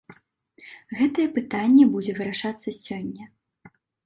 Гэтае пытанне будзе вырашацца сёння.